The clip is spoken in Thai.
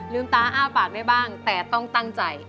ตาอ้าปากได้บ้างแต่ต้องตั้งใจ